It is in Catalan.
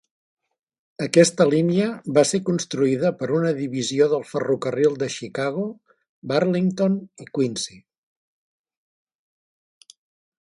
Aquesta línia va ser construïda per una divisió del ferrocarril de Chicago, Burlington i Quincy.